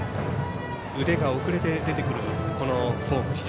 腕が遅れて出てくるフォーム。